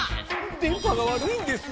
電波がわるいんです！